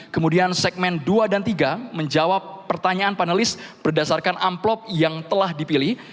kemudian segmen dua dan tiga menjawab pertanyaan panelis berdasarkan amplop yang telah dipilih